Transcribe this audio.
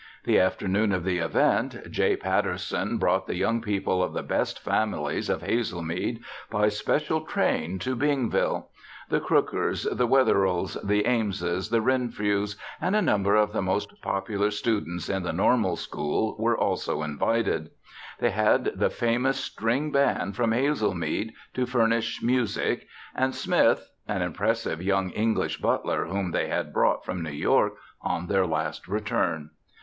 The afternoon of the event, J. Patterson brought the young people of the best families of Hazelmead by special train to Bingville. The Crookers, the Witherills, the Ameses, the Renfrews and a number of the most popular students in the Normal School were also invited. They had the famous string band from Hazelmead to furnish music, and Smith an impressive young English butler whom they had brought from New York on their last return.